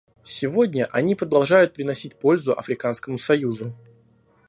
Сегодня они продолжают приносить пользу Африканскому союзу.